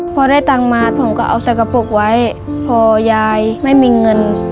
พอได้ตังค์มาผมก็เอาใส่กระปุกไว้พอยายไม่มีเงิน